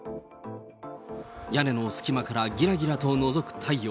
屋根の隙間からぎらぎらとのぞく太陽。